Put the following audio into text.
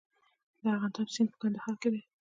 د ارغنداب سیند په کندهار کې دی